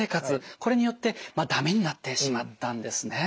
これによってだめになってしまったんですね。